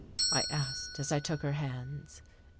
I asked, as I took her hands.